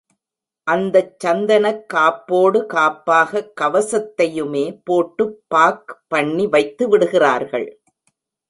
அந்தச் சந்தனக் காப்போடு காப்பாகக் கவசத்தையுமே போட்டு பாக் பண்ணி வைத்து விடுகிறார்கள்.